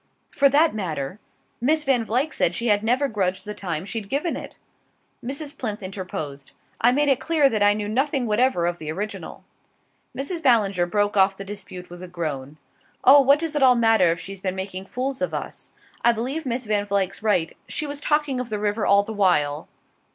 "For that matter. Miss Van Vluyck said she had never grudged the time she'd given it." Mrs. Plinth interposed: "I made it clear that I knew nothing whatever of the original." Mrs. Ballinger broke off the dispute with a groan. "Oh, what does it all matter if she's been making fools of us? I believe Miss Van Vluyck's right she was talking of the river all the while!"